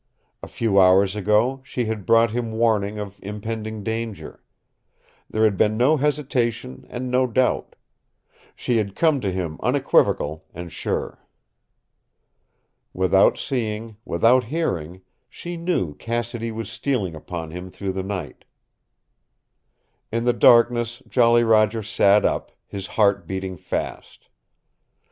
A few hours ago she had brought him warning of impending danger. There had been no hesitation and no doubt. She had come to him unequivocal and sure. Without seeing, without hearing, she knew Cassidy was stealing upon him through the night. In the darkness Jolly Roger sat up, his heart beating fast.